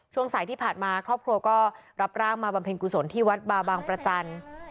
ช่วงสายที่ผ่านมาครอบครัวก็รับร่างมาบำเพ็ญกุศลที่วัดบาบางประจันทร์